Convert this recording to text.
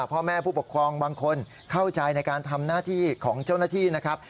พ่อแม่ผู้ปกครองบางคนเข้าใจในการทำหน้าที่ของเจ้าหน้าที่นะครับ